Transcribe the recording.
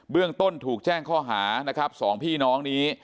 เบื้องต้นถูกแจ้งข้อหาสองพี่น้องนี้